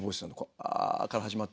「ア」から始まって。